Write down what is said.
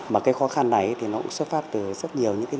mà cái khó khăn này thì nó cũng xuất phát từ rất nhiều những cái